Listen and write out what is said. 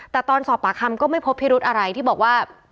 แต่ตอนสอบปากคำก็ไม่พบพิรุธอะไรที่บอกว่า